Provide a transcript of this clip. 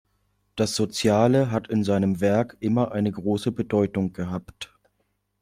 Das Soziale hat in seinem Werk immer eine große Bedeutung gehabt.